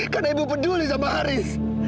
karena ibu peduli sama haris